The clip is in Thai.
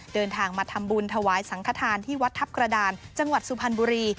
เดินทางมาทำบุญถวายสังขทานที่วัดทัพกระดานจังหวัดสุพรรณบุรี